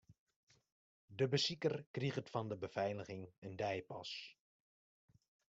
De besiker kriget fan de befeiliging in deipas.